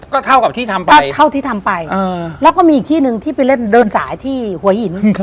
ก็เท่ากับที่ทำไปแล้วก็มีอีกที่นึงที่ไปเล่นเดินสายที่หวยหิน